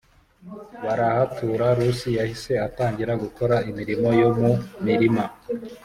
barahatura Rusi yahise atangira gukora imirimo yo mu mirima